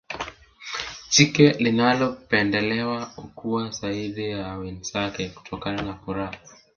jike linalopendelewa hukua zaidi ya wenzake kutokana na furaha